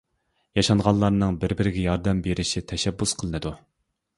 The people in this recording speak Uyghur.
ياشانغانلارنىڭ بىر-بىرىگە ياردەم بېرىشى تەشەببۇس قىلىنىدۇ.